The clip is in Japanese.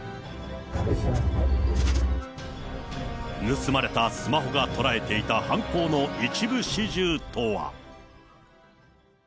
盗まれたスマホが捉えていた犯行の一部始終とは。